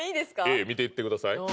ええ見ていってください